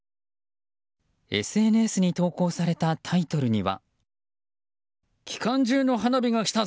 ＳＮＳに投稿されたタイトルには。